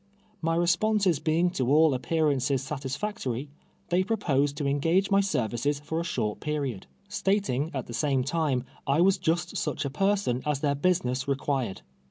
My respon ses being to all appearances satisfactory, they propos ed to engage my services for a short period, stating, at the same time, I was just such a pereon as their Inisiness required.